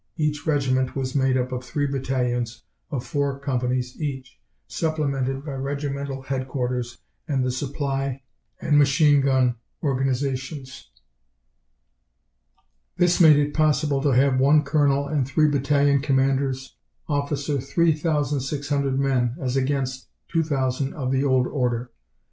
Each regiment was made up of 3 battalions of 4 companies each, supplemented by regimental headquarters and the supply and machine gun organizations. This made it possible to have 1 colonel and 3 battalion commanders officer 3,600 men, as against 2,000 of the old order.